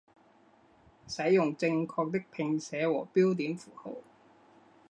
使用正确的拼写和标点符号